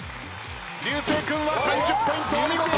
流星君は３０ポイントお見事。